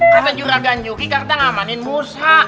kata juragan yuki kata amanin musa